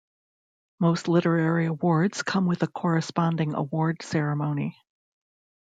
Most literary awards come with a corresponding award ceremony.